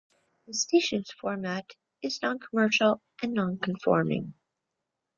The station's format is noncommercial and nonconforming.